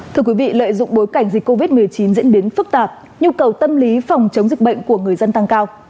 thưa quý vị lợi dụng bối cảnh dịch covid một mươi chín diễn biến phức tạp nhu cầu tâm lý phòng chống dịch bệnh của người dân tăng cao